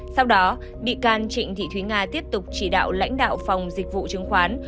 sau đó bị can trịnh thị thúy nga tiếp tục chỉ đạo lãnh đạo phòng dịch vụ chứng khoán